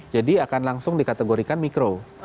jadi akan langsung dikategorikan mikro